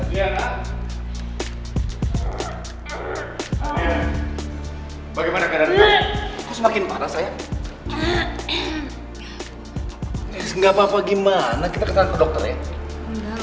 ih nggak apa apa gimana kita kesana ke dokter ya